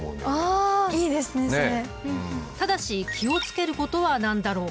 ただし気を付けることは何だろうか？